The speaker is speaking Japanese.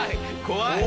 怖い！